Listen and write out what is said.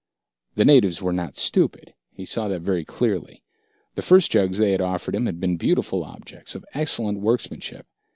The natives were not stupid, he saw that very clearly. The first jugs they had offered him had been beautiful objects, of excellent workmanship.